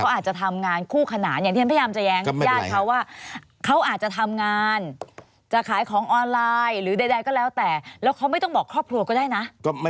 ว่าจริงแล้วเขาอาจจะทำงานคู่ขนาน